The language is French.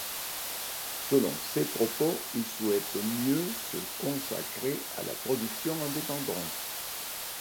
Selon ses propos, il souhaite mieux se consacrer à la production indépendante.